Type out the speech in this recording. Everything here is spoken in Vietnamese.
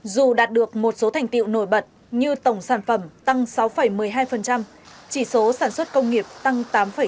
dù đạt được một số thành tiệu nổi bật như tổng sản phẩm tăng sáu một mươi hai chỉ số sản xuất công nghiệp tăng tám chín